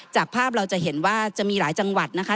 จากภาพเราจะเห็นว่าจะมีหลายจังหวัดนะคะ